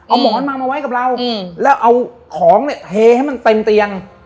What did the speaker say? เอาหมอนมามาไว้กับเราแล้วเอาของเนี่ยเทให้มันเต็มเตียง